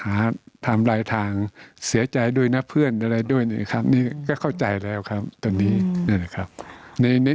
หาทำลายทางเสียใจด้วยนะเพื่อนอะไรด้วยนะครับนี่ก็เข้าใจแล้วครับตอนนี้นะครับ